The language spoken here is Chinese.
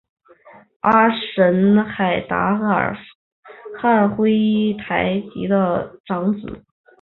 阿什海达尔汉珲台吉的长子。